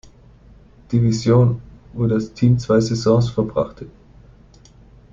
Division, wo das Team zwei Saisons verbrachte.